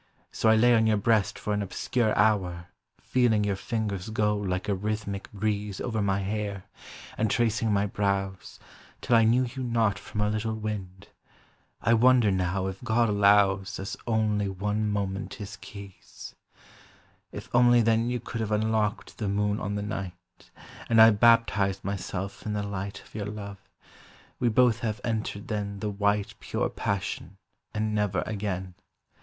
So I lay on your breast for an obscure hour Feeling your fingers go Like a rhythmic breeze Over my hair, and tracing my brows, Till I knew you not from a little wind: I wonder now if God allows Us only one moment his keys. If only then You could have unlocked the moon on the night, And I baptized myself in the light Of your love; we both have entered then the white Pure passion, and never again.